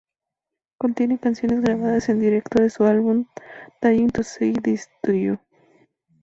Contiene canciones grabadas en directo de su álbum "Dying to Say This to You".